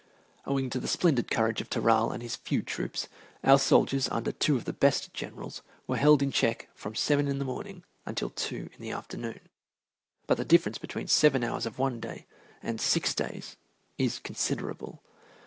Owing to the splendid courage of Toral and his few troops our soldiers, under two of our best generals, were held in check from seven in the morning until two in the afternoon. But the difference between seven hours of one day and six days is considerable.